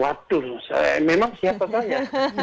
waduh memang siapa tanya